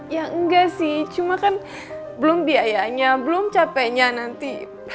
ya enggak sih cuma kan belum biayanya belum capeknya nanti